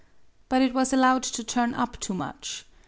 But it was allowed to turn up too much.